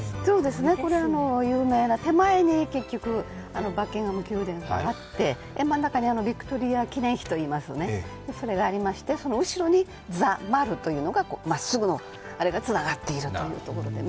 これは有名な、手前にバッキンガム宮殿があって真ん中にビクトリア記念碑、それがありましてその後ろにザ・マルというのが、まっすぐつながっているということですね。